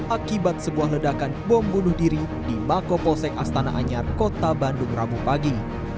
akibat sebuah ledakan bom bunuh diri di mako polsek astana anyar kota bandung rabu pagi